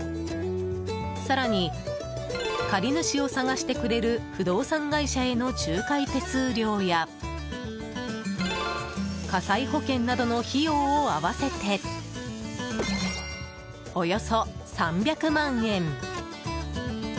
更に、借り主を探してくれる不動産会社への仲介手数料や火災保険などの費用を合わせておよそ３００万円。